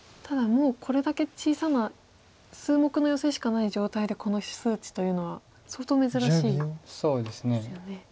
ただもうこれだけ小さな数目のヨセしかない状態でこの数値というのは相当珍しいですよね。